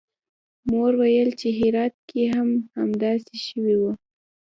مور ویل چې هرات کې هم همداسې شوي وو